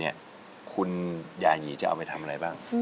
คุณยายีจะเอาไปทำอะไรบ้าง